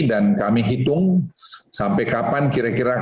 dan kami hitung sampai kapan kira kira kami mencapai